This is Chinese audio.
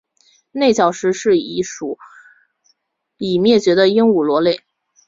内角石是一属已灭绝的鹦鹉螺类。